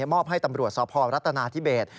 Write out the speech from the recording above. มอบให้ตำรวจสอบพอรัตนาที่เบส